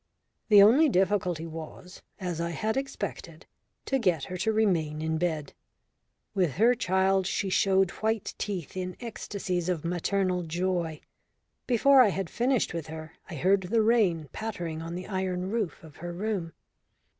The only difficulty was, as I had expected, to get her to remain in bed. With her child she showed white teeth in ecstasies of maternal joy. Before I had finished with her I heard the rain pattering on the iron roof of her room.